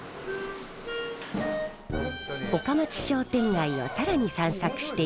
岡町商店街を更に散策していくと。